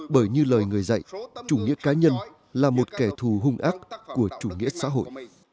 bởi như lời người dạy chủ nghĩa cá nhân là một kẻ thù hung ác của chủ nghĩa xã hội